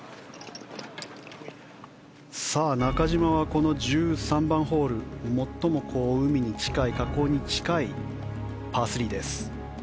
中島は、この１３番ホール最も海に近い河口に近いパー３です。